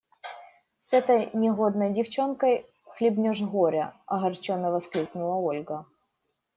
С этой негодной девчонкой хлебнешь горя! – огорченно воскликнула Ольга.